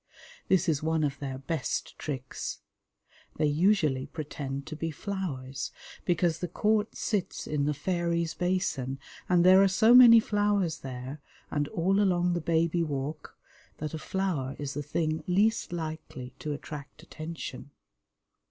This is one of their best tricks. They usually pretend to be flowers, because the court sits in the Fairies' Basin, and there are so many flowers there, and all along the Baby Walk, that a flower is the thing least likely to attract attention.